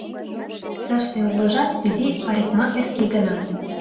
Тыште улыжат изи парикмахерский гына.